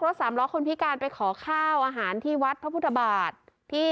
สามล้อคนพิการไปขอข้าวอาหารที่วัดพระพุทธบาทที่